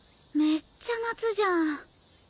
めっちゃ夏じゃん。